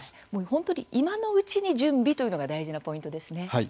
本当に今のうちに準備というのが大事なポイントですね。